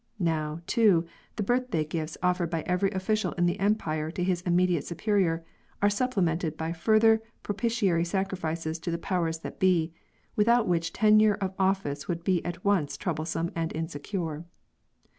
Now, too, the birthday gifts offered by every official in the Empire to his immediate superior, are supplemented by further propitiatory sacrifices to the powers that be, without which tenure of office would be at once troublesome and insecure.